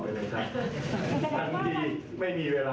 เป็นเรื่องที่พักฝ่ายประชาชนิดใดจะพูดคุยกันค่ะ